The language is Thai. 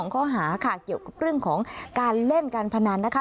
ข้อหาค่ะเกี่ยวกับเรื่องของการเล่นการพนันนะคะ